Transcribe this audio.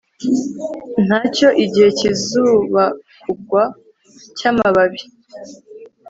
Ntacyo igihe cyizubakugwa cyamababi